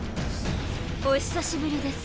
お久しぶりです